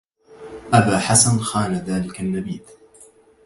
أبا حسن خان ذاك النبيذ